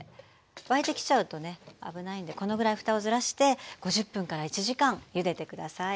沸いてきちゃうとね危ないんでこのぐらいふたをずらして５０分１時間ゆでて下さい。